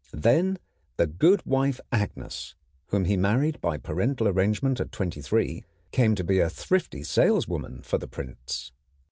Then the good wife Agnes, whom he married by parental arrangement at twenty three, came to be a thrifty saleswoman for the prints.